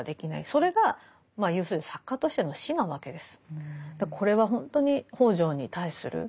それがまあ要するに作家としての死なわけです。